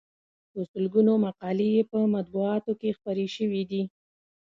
په سلګونو مقالې یې په مطبوعاتو کې خپرې شوې دي.